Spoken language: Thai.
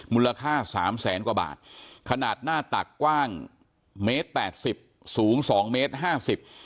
มูลค่าสามแสนกว่าบาทขนาดหน้าตักกว้างเมตรแปดสิบสูงสองเมตรห้าสิบ